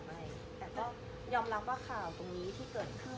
ไม่แต่ก็ยอมรับว่าข่าวตรงนี้ที่เกิดขึ้น